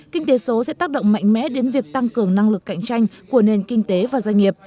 kinh tế số sẽ tác động mạnh mẽ đến việc tăng cường năng lực cạnh tranh của nền kinh tế và doanh nghiệp